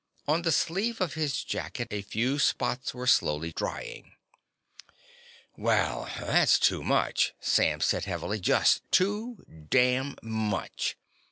On the sleeve of his jacket a few spots were slowly drying. "Well, that's too much," Sam said heavily. "Just too damn much."